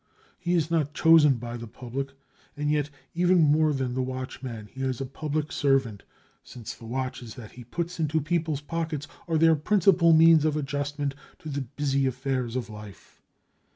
He is not chosen by the public, and yet, even more than the watchman, he is a public servant since the watches that he puts into people's pockets are their principal means of adjustment to the busy affairs of life.